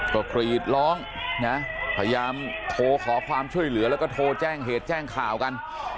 ก็กรีดร้องนะพยายามโทรขอความช่วยเหลือแล้วก็โทรแจ้งเหตุแจ้งข่าวกัน